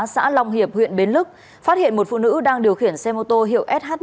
xã long hiệp huyện bến lức phát hiện một phụ nữ đang điều khiển xe mô tô hiệu sh một mươi